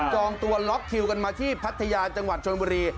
องตัวล็อกคิวกันมาที่พัทยาจังหวัดชนบุรี